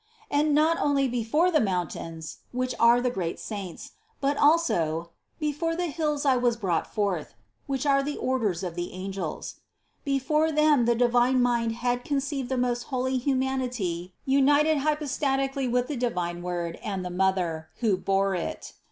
And not only before the mountains (which are the great saints) but also "before the hills I was brought forth," which are the orders of the holy angels. Before them the divine Mind 68 CITY OF GOD had conceived the most holy Humanity united hypo statically with the divine Word, and the Mother, who bore it.